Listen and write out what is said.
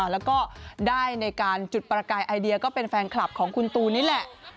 แล้วก็ได้ในการจุดประกายไอเดียก็เป็นแฟนคลับของคุณตูนนี่แหละ